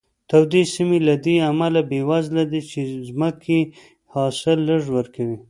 تودې سیمې له دې امله بېوزله دي چې ځمکې یې حاصل لږ ورکوي.